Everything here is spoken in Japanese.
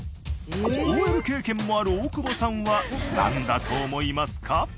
ＯＬ経験もある大久保さんはなんだと思いますか？